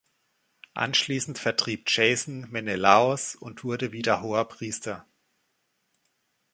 Anschließend vertrieb Jason Menelaos und wurde wieder Hoher Priester.